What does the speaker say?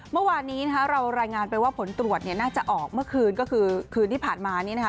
เมื่อวานนี้นะคะเรารายงานไปว่าผลตรวจเนี่ยน่าจะออกเมื่อคืนก็คือคืนที่ผ่านมานี้นะคะ